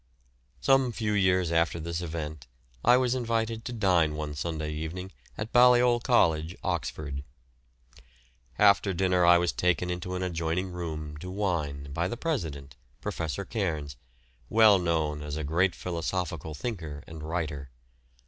Some few years after this event I was invited to dine one Sunday evening at Balliol College, Oxford. After dinner I was taken into an adjoining room to wine by the president, Professor Cairns, well known as a great philosophical thinker and writer.